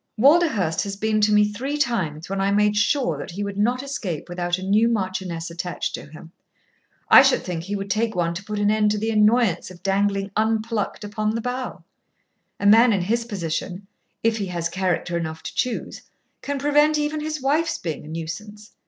"Walderhurst has been to me three times when I made sure that he would not escape without a new marchioness attached to him. I should think he would take one to put an end to the annoyance of dangling unplucked upon the bough. A man in his position, if he has character enough to choose, can prevent even his wife's being a nuisance.